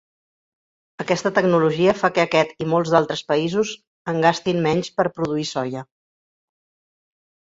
Aquesta tecnologia fa que aquest i molts d'altres països en gastin menys per produir soia.